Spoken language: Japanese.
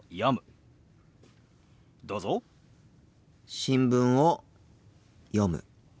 新聞を読む。